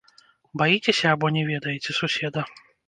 Баіцеся або не ведаеце суседа?